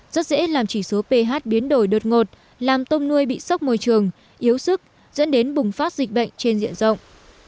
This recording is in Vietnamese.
rất dễ làm chỉ số ph biến đổi đột ngột làm tôm nuôi bị sốc môi trường yếu sức dẫn đến bùng phát dịch bệnh trên diện rộng